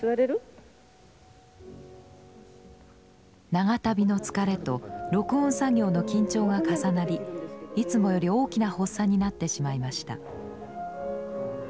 長旅の疲れと録音作業の緊張が重なりいつもより大きな発作になってしまいました。